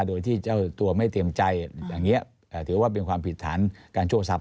โดยที่เจ้าตัวไม่เตรียมใจอย่างนี้ถือว่าเป็นความผิดฐานการโชคทรัพ